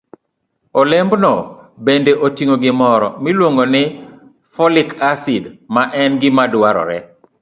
Olembno bende oting'o gimoro miluongo ni folic acid, ma en gima dwarore